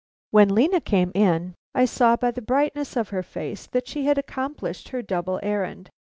When Lena came in, I saw by the brightness of her face that she had accomplished her double errand.